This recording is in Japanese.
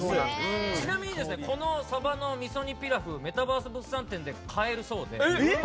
ちなみにこの鯖の味噌煮ピラフ「メタバース物産展」で買えるそうで。